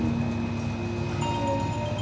terus papa minta sama kamu